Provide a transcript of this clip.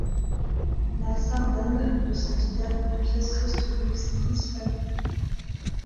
La sardane de cette dernière pièce reste l'une de ses principales œuvres.